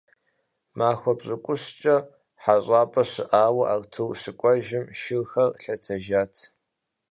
Махуэ пщыкӀущкӀэ хьэщӀапӀэ щыӀауэ Артур щыкӀуэжым, шырхэр лъэтэжат.